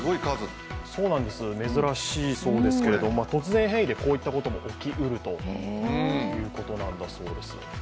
珍しいそうですけども、突然変異でこういったことも起きうるということだそうです。